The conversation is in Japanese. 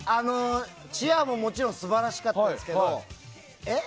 チアももちろん素晴らしかったですけどえ？